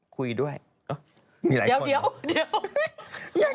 คุยด้วยอ๋อมีหลายคนรู้มั้ยอะเดี๋ยว